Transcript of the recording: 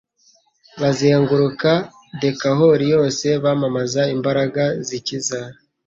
bazenguruka Dekaholi yose; bamamaza imbaraga zikiza,